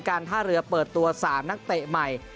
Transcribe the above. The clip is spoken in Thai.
การท่าเรือเปิดตัว๓นักเตะใหม่